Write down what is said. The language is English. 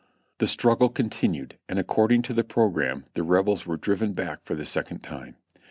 The struggle continued, and according to the programme the Rebels were driven back for the second time.